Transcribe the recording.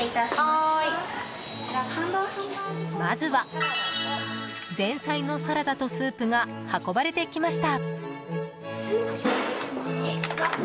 まずは前菜のサラダとスープが運ばれてきました。